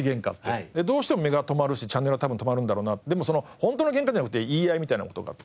どうしても目が留まるしチャンネルは多分止まるんだろうなでもホントのケンカではなくて言い合いみたいな事があった。